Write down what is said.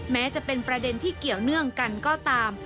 แม้จะเป็นประเด็นที่เกี่ยวเนื่องกันก็ตาม